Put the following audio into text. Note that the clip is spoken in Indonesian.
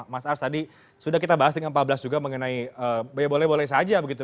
mas ars tadi sudah kita bahas dengan pak blas juga mengenai boleh boleh saja begitu